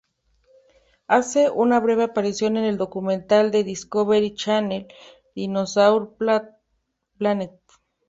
Hace una breve aparición en el documental de Discovery Channel "Dinosaur Planet".